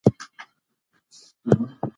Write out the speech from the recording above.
هر څه په پټو سترګو مه منئ.